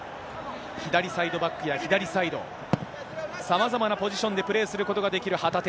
左サイドバックや左サイド、さまざまなポジションでプレーすることができる旗手。